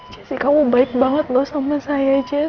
jessi kamu baik banget loh sama saya jess